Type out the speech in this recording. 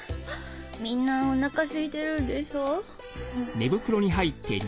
みんなお腹すいてるんでしょ？